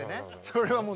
それはもう。